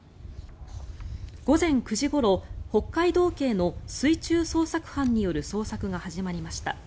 午前９時ごろ北海道警の水中捜索班による捜索が始まりました。